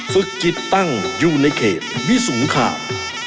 ฝึกกิจตั้งอยู่ในเขตวิสงคราม